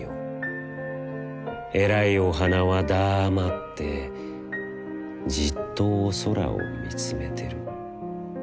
えらいお花はだァまって、じっとお空をみつめてる。